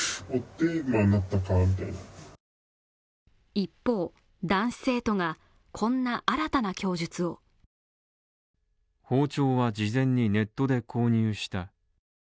一方、男子生徒が、こんな新たな供述を包丁は事前にネットで購入した。